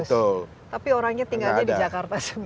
tapi orangnya tinggalnya di jakarta semua